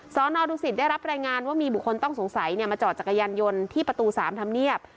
ซ้อนอดุสิตได้รับแรงงานว่ามีบุคคลต้องสงสัยเนี่ยมาจอดจักรยานยนต์ที่ประตูสามทำเนียบ